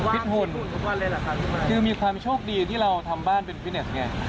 หุ่นคือมีความโชคดีที่เราทำบ้านเป็นฟิตเน็ตไง